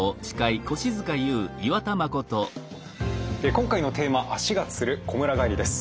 今回のテーマ足がつるこむら返りです。